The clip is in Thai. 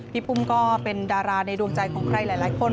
ปุ้มก็เป็นดาราในดวงใจของใครหลายคน